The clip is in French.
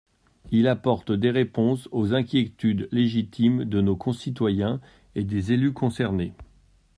Il apporte des réponses aux inquiétudes légitimes de nos concitoyens et des élus concernés.